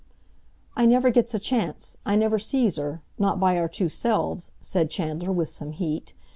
"I never gets a chance. I never sees her, not by our two selves," said Chandler, with some heat.